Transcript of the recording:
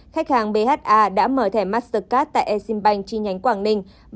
khách hàng bha đã mở thẻ mastercard tại exim bank chi nhánh quảng ninh